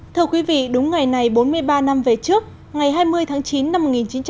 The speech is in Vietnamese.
thưa quý vị đúng ngày này bốn mươi ba năm về trước ngày hai mươi tháng chín năm một nghìn chín trăm bảy mươi